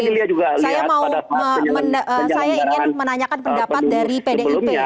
kita juga lihat pada saat penyelenggaran penduduk sebelumnya